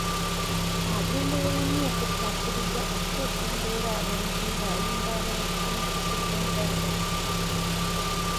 Agenderera nnyo okukkaatiriza okukyusa embeerabantu ng'ayunga abantu ku mikisa egy'enjawulo.